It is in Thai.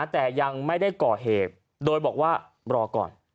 แต่ยังไม่ได้ก่อเหตุโดยบอกว่ารอก่อน